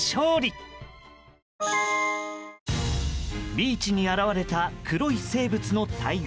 ビーチに現れた黒い生物の大群。